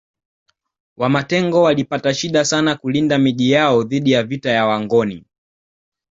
Wamatengo walipata shida sana kulinda Miji yao dhidi ya vita ya Wangoni